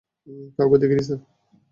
কাউকে দেখিনি, স্যার।